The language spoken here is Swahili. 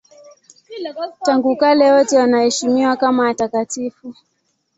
Tangu kale wote wanaheshimiwa kama watakatifu.